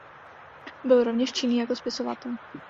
Byl rovněž činný jako spisovatel.